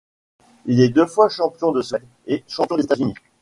Il est deux fois champion de Suède et champion des États-Unis.